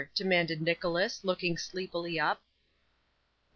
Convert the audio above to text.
demanded Nicholas, looking sleepily up.